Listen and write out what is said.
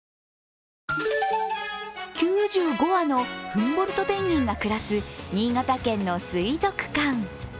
９５羽のフンボルトペンギンが暮らす新潟県の水族館。